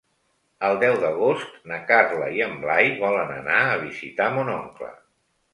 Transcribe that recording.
El deu d'agost na Carla i en Blai volen anar a visitar mon oncle.